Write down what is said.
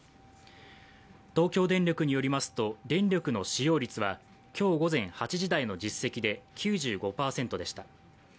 東京電力に寄りますと電力の使用率は今日午前８時台の実績で９５％でした。